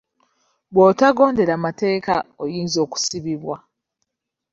Bwotagondera mateeka oyinza okusibibwa.